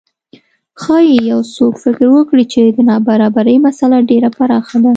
ښايي یو څوک فکر وکړي چې د نابرابرۍ مسئله ډېره پراخه ده.